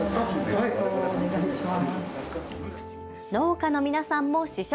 農家の皆さんも試食。